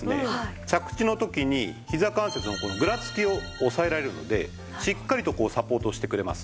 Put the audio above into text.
着地の時にひざ関節のこのグラつきを抑えられるのでしっかりとサポートしてくれます。